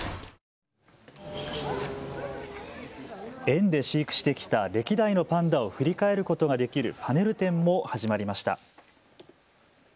園で飼育してきた歴代のパンダを振り返ることができるパネル展も始まりました。